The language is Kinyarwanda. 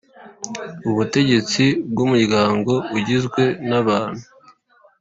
Ubutegetsi bw umuryango igizwe n abantu